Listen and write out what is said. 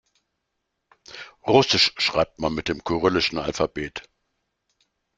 Russisch schreibt man mit dem kyrillischen Alphabet.